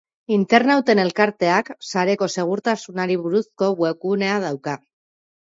Internauten elkarteak sareko segurtasunari buruzko web gunea dauka.